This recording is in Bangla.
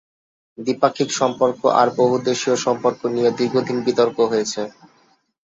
দ্বিপাক্ষিক সম্পর্ক আর বহুদেশীয় সম্পর্ক নিয়ে দীর্ঘদিন বিতর্ক হয়েছে।